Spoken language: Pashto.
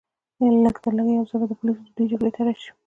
لږترلږه یو ځل به پولیس د دوی جګړې ته راشي